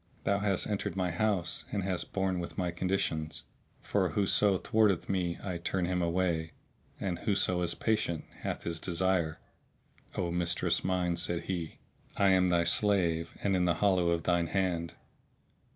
Thou hast entered my house and hast borne with my conditions, for whoso thwarteth me I turn him away, and whoso is patient hath his desire." "O mistress mine," said he, "I am thy slave and in the hollow of thine hand!"